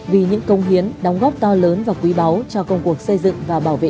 vì những công hiến đóng góp to lớn và quý báu cho công cuộc xây dựng và bảo vệ